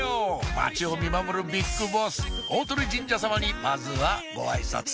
街を見守るビッグボス大鳥神社様にまずはごあいさつ